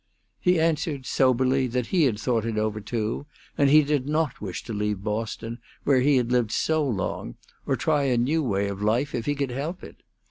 He answered, soberly, that he had thought it over, too; and he did not wish to leave Boston, where he had lived so long, or try a new way of life if he could help it.